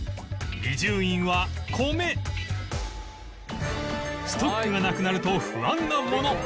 伊集院は米ストックがなくなると不安なもの